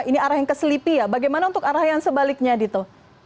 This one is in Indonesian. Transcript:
ini arah yang ke selipi ya bagaimana untuk arah yang sebaliknya dito